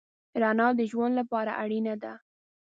رڼا د ژوند لپاره اړینه ده.